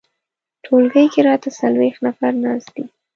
ټولګي کې راته څلویښت نفر ناست دي.